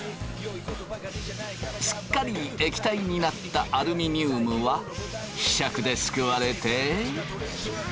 すっかり液体になったアルミニウムはひしゃくですくわれて。